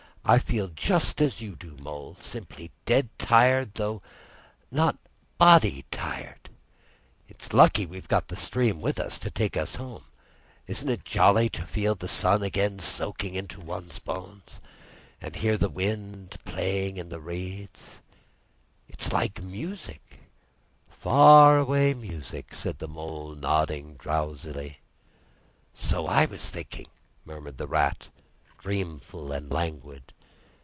"I feel just as you do, Mole; simply dead tired, though not body tired. It's lucky we've got the stream with us, to take us home. Isn't it jolly to feel the sun again, soaking into one's bones! And hark to the wind playing in the reeds!" "It's like music—far away music," said the Mole nodding drowsily. "So I was thinking," murmured the Rat, dreamful and languid.